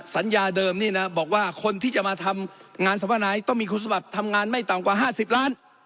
สัญญาเดิมนี่นะบอกว่าคนที่จะมาทำงานสภานายต้องมีคุณสมัครทำงานไม่ต่ำกว่า๕๐ล้าน